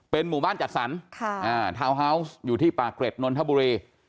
หมู่บ้านจัดสรรทาวน์ฮาวส์อยู่ที่ปากเกร็ดนนทบุรี